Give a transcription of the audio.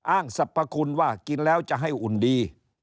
อ้างสรรพคุณว่ากินแล้วจะให้อุ่นดี